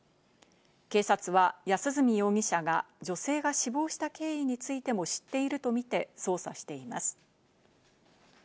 警察は安栖容疑者が女性が死亡した経緯についても知っているとみて捜査しています。